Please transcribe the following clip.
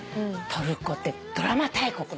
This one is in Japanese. トルコってドラマ大国なの。